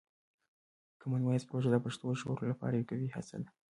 کامن وایس پروژه د پښتو د ژغورلو لپاره یوه قوي هڅه ده.